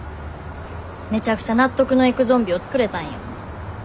めちゃくちゃ納得のいくゾンビを作れたんよ。